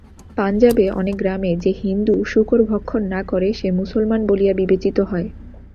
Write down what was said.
পাঞ্জাবে অনেক গ্রামে যে-হিন্দু শূকর ভক্ষণ না করে, সে মুসলমান বলিয়া বিবেচিত হয়।